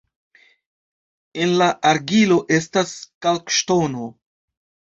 En la argilo estas kalkŝtono.